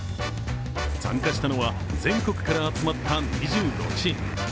参加したのは全国から集まった２５チーム。